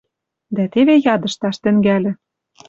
Дӓ теве ядышташ тӹнгӓльӹ.